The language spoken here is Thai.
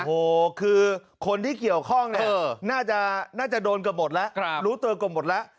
โอ้โหคือคนที่เกี่ยวข้องเนี่ยน่าจะโดนเกือบหมดแล้วรู้ตัวเกือบหมดแล้ว